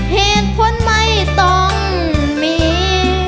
เหตุผลไม่ต้องมี